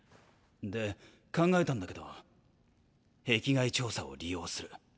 で考えたんだけど壁外調査を利用する。